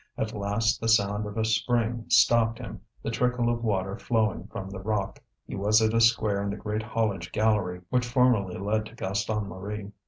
At last the sound of a spring stopped him, the trickle of water flowing from the rock. He was at a square in the great haulage gallery which formerly led to Gaston Marie.